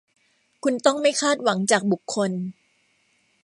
คุณต้องไม่คาดหวังจากบุคคล